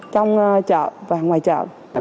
trong chợ và ngoài chợ